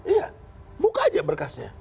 iya buka aja bekasnya